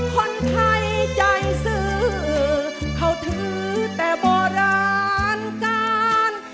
คนไทยใจซื้อเขาถือแต่โบราณการ